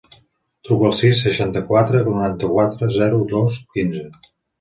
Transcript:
Truca al sis, seixanta-quatre, noranta-quatre, zero, dos, quinze.